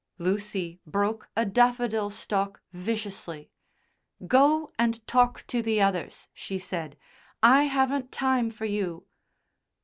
Lucy broke a daffodil stalk viciously. "Go and talk to the others," she said. "I haven't time for you."